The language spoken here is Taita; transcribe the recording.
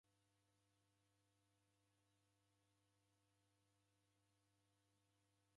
Kachongo w'adaja w'ana wa nguku